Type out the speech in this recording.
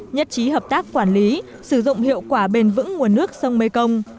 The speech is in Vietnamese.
nhất trí hợp tác quản lý sử dụng hiệu quả bền vững nguồn nước sông mê công